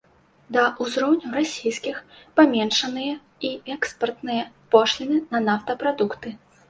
Да ўзроўню расійскіх паменшаныя і экспартныя пошліны на нафтапрадукты.